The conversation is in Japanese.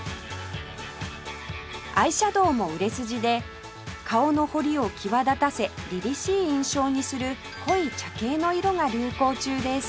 アイシャドーも売れ筋で顔の彫りを際立たせりりしい印象にする濃い茶系の色が流行中です